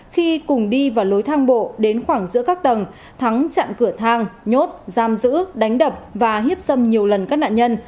khi cùng đi vào lối thang bộ đến khoảng giữa các tầng thắng chặn cửa thang nhốt giam giữ đánh đập và hiếp dâm nhiều lần các nạn nhân